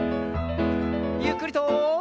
ゆっくりと。